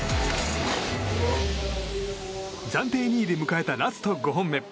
暫定２位で迎えたラスト５本目。